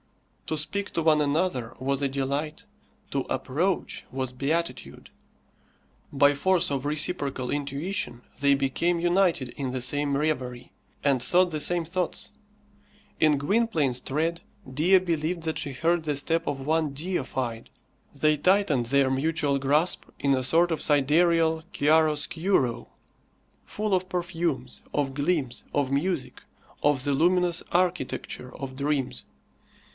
To speak to one another was a delight, to approach was beatitude; by force of reciprocal intuition they became united in the same reverie, and thought the same thoughts. In Gwynplaine's tread Dea believed that she heard the step of one deified. They tightened their mutual grasp in a sort of sidereal chiaroscuro, full of perfumes, of gleams, of music, of the luminous architecture of dreams.